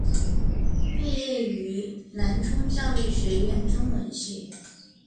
毕业于南充教育学院中文系。